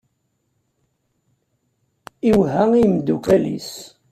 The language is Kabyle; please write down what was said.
Iwehha i yimeddukal-is.